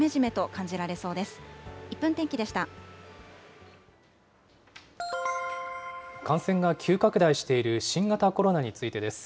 感染が急拡大している新型コロナについてです。